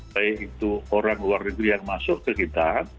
baik itu orang luar negeri yang masuk ke kita